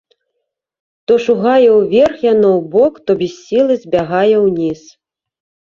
То шугае ўверх яно, убок, то без сілы збягае ўніз.